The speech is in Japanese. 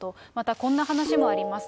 またこんな話もあります。